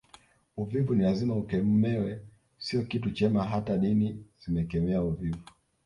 Uvivu ni lazima ukemewe sio kitu chema hata dini zimekemea uvivu